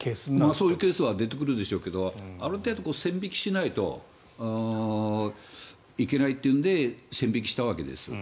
そういうケースは出てくるでしょうけどある程度、線引きしないといけないというので線引きしたわけです。